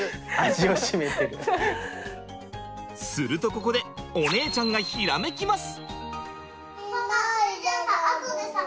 するとここでお姉ちゃんがひらめきます！